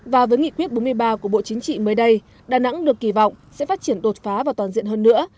và với nghị quyết bốn mươi ba của bộ chính trị mới đây đà nẵng được kỳ vọng sẽ phát triển đột phá và toàn diện hơn nữa